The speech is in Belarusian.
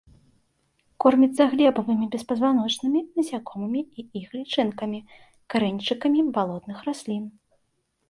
Корміцца глебавымі беспазваночнымі, насякомымі і іх лічынкамі, карэньчыкамі балотных раслін.